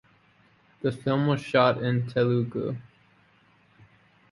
The film was shot in Telugu.